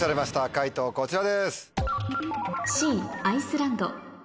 解答こちらです。